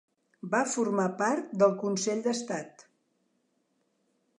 Va formar part del Consell d'Estat.